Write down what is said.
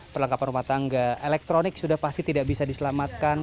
perlengkapan rumah tangga elektronik sudah pasti tidak bisa diselamatkan